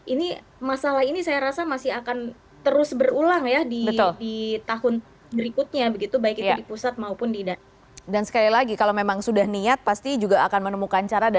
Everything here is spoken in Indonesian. ini masalah ini saya rasa masih akan terus berulang ya di tahun berikutnya